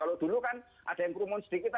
kalau dulu kan ada yang kerumun sedikit